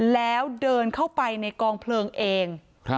แล้วเดินเข้าไปในกองเพลิงเอง